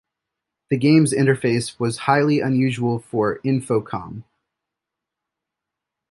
The game's interface was highly unusual for Infocom.